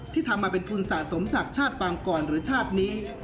ทำมาเป็นทุนสะสมจากชาติปางกรหรือชาตินี้